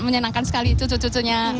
menyenangkan sekali cucu cucunya